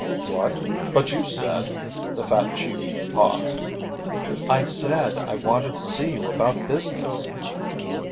"What? But you said " The fat chief paused. "I said I wanted to see you about business."